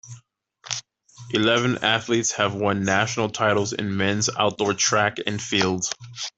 Eleven athletes have won national titles in men's outdoor track and field.